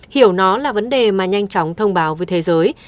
hiểu nó là vấn đề mà nhanh chóng thông báo với thế giới